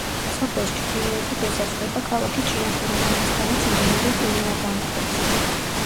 სოფელს ჩრდილოეთით ესაზღვრება ქალაქი ჭიათურა, რომლისგანაც მდინარე ყვირილა გამოყოფს.